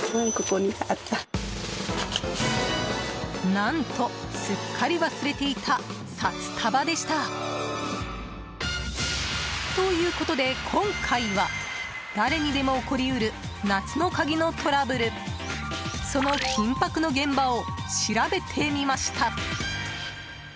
何と、すっかり忘れていた札束でした。ということで今回は誰にでも起こり得る夏の鍵のトラブルその緊迫の現場を調べてみました。